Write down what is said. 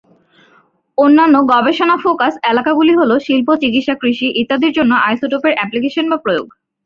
অন্যান্য গবেষণা ফোকাস এলাকাগুলি হল শিল্প, চিকিৎসা, কৃষি ইত্যাদির জন্য আইসোটোপের অ্যাপ্লিকেশনের বা প্রয়োগ।